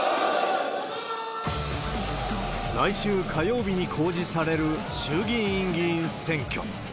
来週火曜日に公示される、衆議院議員選挙。